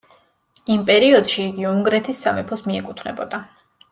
იმ პერიოდში იგი უნგრეთის სამეფოს მიეკუთვნებოდა.